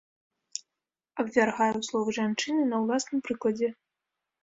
Абвяргаю словы жанчыны на ўласным прыкладзе.